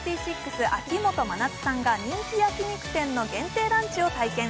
秋元真夏さんが人気焼肉店の限定ランチを体験